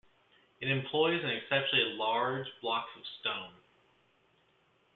It employs exceptionally large blocks of stone.